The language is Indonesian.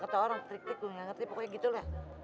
kata orang trik trik lu nggak ngerti pakai gitu lah